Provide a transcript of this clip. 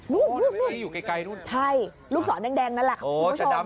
นู่ใช่ลูกสอนแดงนั่นแหละคุณผู้ชม